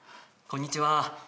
こんにちは。